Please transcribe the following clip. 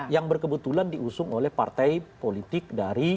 yang berkebetulan diusung oleh partai politik dari